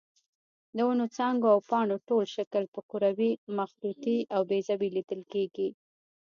د ونو څانګو او پاڼو ټول شکل په کروي، مخروطي او بیضوي لیدل کېږي.